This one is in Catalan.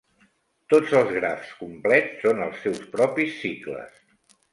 Tots els grafs complets són els seus propis cicles.